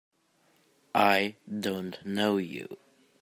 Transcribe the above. I don't know you!